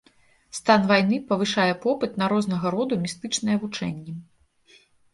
Стан вайны павышае попыт на рознага роду містычныя вучэнні.